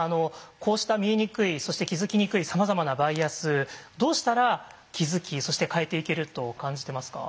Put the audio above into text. こうした見えにくいそして気付きにくいさまざまなバイアスどうしたら気付きそして変えていけると感じてますか？